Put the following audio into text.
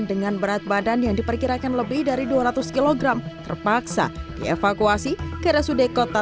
dengan berat badan yang diperkirakan lebih dari dua ratus kg terpaksa dievakuasi ke rsud kota